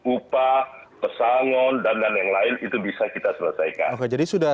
upah pesangon dan yang lain itu bisa kita selesaikan